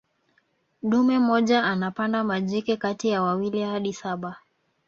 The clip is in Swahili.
dume mmoja anapanda majike kati ya mawili hadi saba